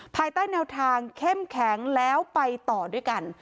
ภายใต้แนวทางเข้มแข็งแล้วไปต่อด้วยกัน